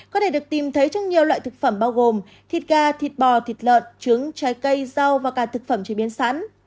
có thể được tìm thấy trong nhiều loại thực phẩm bao gồm thịt gà thịt bò thịt lợn trứng trái cây rau và cả thực phẩm chế biến sẵn